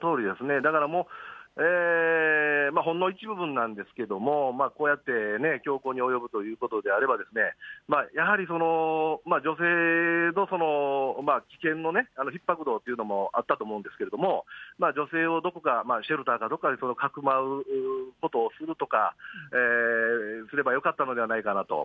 だからほんの一部分なんですけども、こうやってね、凶行に及ぶということであれば、やはり女性の危険のひっ迫度っていうのもあったと思うんですけれども、女性をどこか、シェルターかどっかかくまうことをするとか、すればよかったのではないかなと。